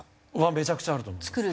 めちゃくちゃあると思います。